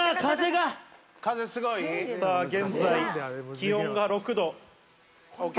現在、気温が６度。